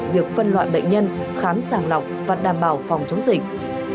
việc phân loại bệnh nhân khám sàng lọc và đảm bảo phòng chống dịch